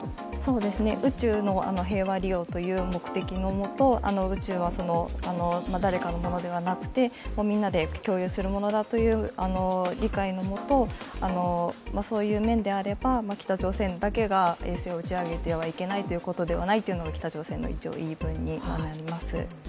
そうですね、宇宙の平和利用という目的のもと、宇宙は誰かのものではなくてみんなで共有するものだという理解のもと、そういう面であれば北朝鮮だけが衛星を打ち上げてもいいのではないということが北朝鮮の言い分にはなります。